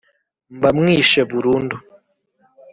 Mba mwishe burundu